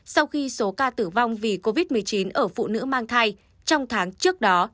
sau khi số ca tử vong vì covid một mươi chín ở phụ nữ mang thai trong tháng trước đó